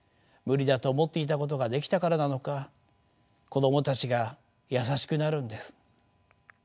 無理だと思っていたことができたからなのか子どもたちが優しくなるんです。